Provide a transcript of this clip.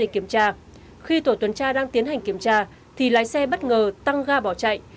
khi tổ tuần tra đang tiến hành kiểm tra thì lái xe bất ngờ tăng ga bỏ chạy